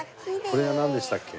これはなんでしたっけ？